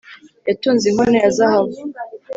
yatunze inkono ya zahabu